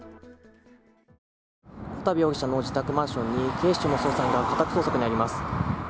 小田部容疑者の自宅マンションに警視庁の捜査員が家宅捜索に入ります。